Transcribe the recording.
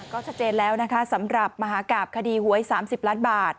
ก็ชัดเจนแล้วนะคะสำหรับมหากราบคดีหวย๓๐ล้านบาท